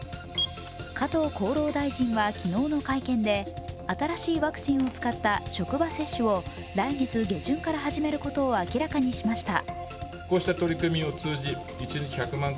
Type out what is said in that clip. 加藤厚労大臣は昨日の会見で新しいワクチンを使った職場接種を来月下旬から始めることを明らかにしました。